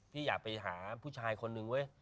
พี่อยากไปหาผู้ชายคนนึงเว้ย